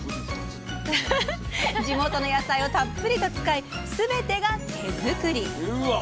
地元の野菜をたっぷり使いすべてが手作り。